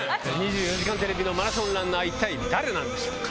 ２４時間テレビのマラソンランナー、一体誰なんでしょうか。